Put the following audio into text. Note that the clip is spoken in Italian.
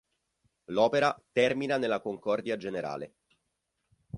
L'opera termina nella concordia generale.